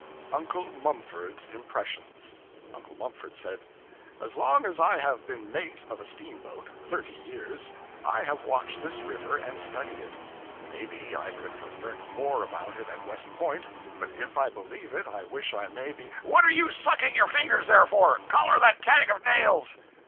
UNCLE MUMFORD'S IMPRESSIONS Uncle Mumford said 'As long as I have been mate of a steamboat thirty years I have watched this river and studied it. Maybe I could have learnt more about it at West Point, but if I believe it I wish I may be _what are you sucking your fingers there for ? collar that kag of nails!